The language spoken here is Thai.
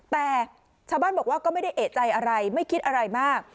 แต่ชาวบ้านบอกว่าก็ไม่ได้เอกใจอะไรไม่คิดอะไรมาก